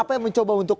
apa yang mencoba untuk